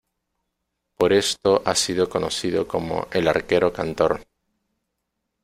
Por esto ha sido conocido como "el arquero cantor".